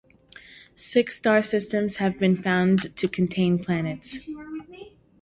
Six star systems have been found to contain planets.